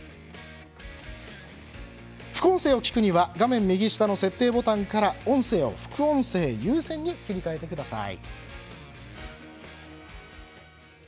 副音声を聞くには画面右下の設定ボタンから音声を副音声優先に切り替えてください。